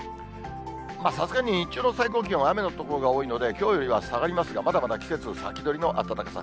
さすがに日中の最高気温は雨の所が多いので、きょうよりは下がりますが、まだまだ季節先取りの暖かさ。